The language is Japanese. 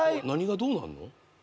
何がどうなんの？